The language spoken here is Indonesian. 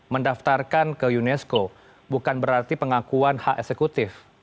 mendaftarkan ke unesco bukan berarti pengakuan hak eksekutif